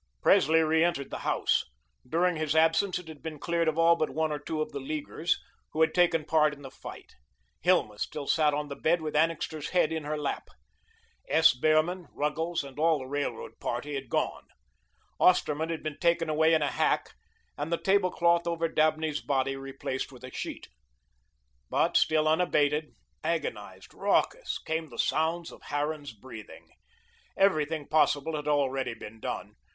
Presley reentered the house. During his absence it had been cleared of all but one or two of the Leaguers, who had taken part in the fight. Hilma still sat on the bed with Annixter's head in her lap. S. Behrman, Ruggles, and all the railroad party had gone. Osterman had been taken away in a hack and the tablecloth over Dabney's body replaced with a sheet. But still unabated, agonised, raucous, came the sounds of Harran's breathing. Everything possible had already been done.